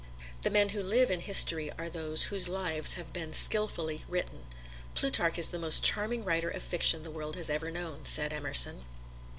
The men who live in history are those whose lives have been skilfully written. "Plutarch is the most charming writer of fiction the world has ever known," said Emerson.